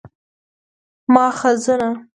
ماخذونه: